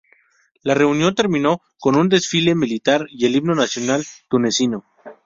La reunión terminó con un desfile militar y el himno nacional tunecino.